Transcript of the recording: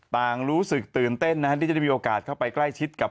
รู้สึกตื่นเต้นที่จะได้มีโอกาสเข้าไปใกล้ชิดกับ